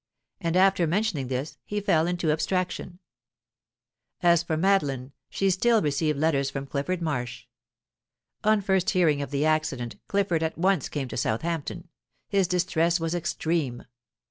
And after mentioning this, he fell into abstraction. As for Madeline, she still received letters from Clifford Marsh. On first hearing of the accident, Clifford at once came to Southampton; his distress was extreme.